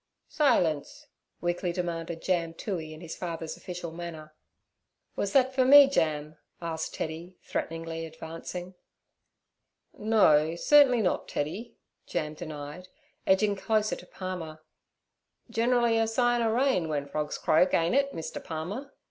'Silence' weakly demanded Jam Toohey in his father's official manner. 'Was that fur me, Jam?' asked Teddy, threateningly advancing. 'No, certainly not, Teddy' Jam denied, edging closer to Palmer. 'Generally a sign er rain w'en frogs croaks, ain't it, Mr. Palmer?'